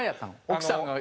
奥さんが。